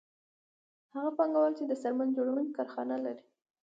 هغه پانګوال چې د څرمن جوړونې کارخانه لري